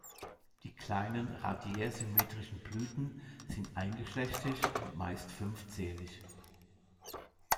Die kleinen, radiärsymmetrischen Blüten sind eingeschlechtig und meist fünfzählig.